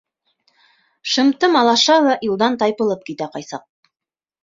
Шымтым алаша ла юлдан тайпылып китә ҡай саҡ.